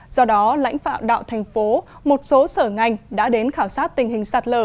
do đó lãnh phạo đạo thành phố một số sở ngành đã đến khảo sát tình hình sạt lở